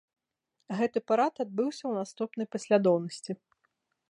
Гэты парад адбыўся ў наступнай паслядоўнасці.